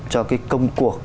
cho cái công cuộc